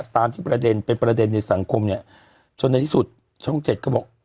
ตามที่เป็นประเด็นในสังคมจนในที่สุดช่อง๗ก็บอก